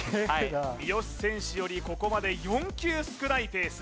三好選手よりここまで４球少ないペース